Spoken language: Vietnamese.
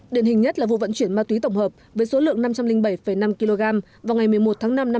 điển hình nhất là vụ vận chuyển ma túy tổng hợp với số lượng năm trăm linh bảy năm kg vào ngày một mươi một tháng năm năm hai nghìn hai mươi